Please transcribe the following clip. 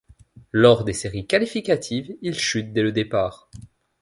Lors des séries qualificatives, il chute dès le départ.